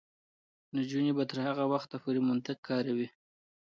نجونې به تر هغه وخته پورې منطق کاروي.